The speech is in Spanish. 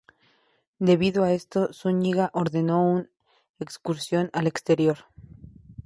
Debido a esto, Zúñiga ordenó un excursión al exterior.